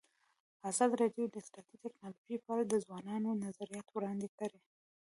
ازادي راډیو د اطلاعاتی تکنالوژي په اړه د ځوانانو نظریات وړاندې کړي.